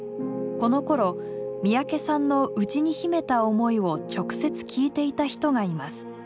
このころ三宅さんの内に秘めた思いを直接聞いていた人がいます。